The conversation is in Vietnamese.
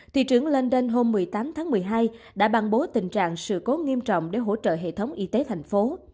thị trưởng london hôm một mươi tám tháng một mươi hai đã bàn bố tình trạng sự cố nghiêm trọng để hỗ trợ hệ thống y tế thành phố